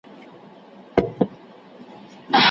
الوداع درڅخه ولاړم ستنېدل مي بیرته نسته